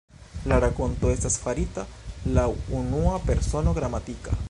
La rakonto estas farita laŭ unua persono gramatika.